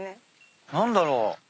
何だろう？